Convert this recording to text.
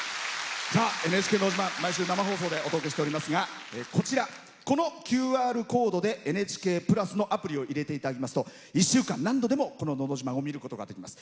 「ＮＨＫのど自慢」毎週生放送でお届けしておりますがこちら、このＱＲコードで「ＮＨＫプラス」のアプリを入れていただきますと１週間、何度でも「のど自慢」を見ることができます。